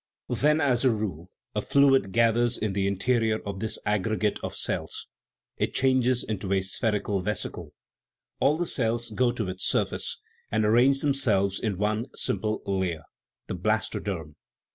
Then, as a rule, a fluid gathers in the interior of this aggregate of cells; it changes into a spherical vesicle; all the cells go to its surface, and arrange themselves in one simple layer the blastoderm.